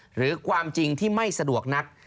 หรือความจริงที่ไม่สะดวกนัก